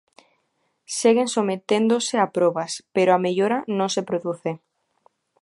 Seguen someténdose a probas, pero a mellora non se produce.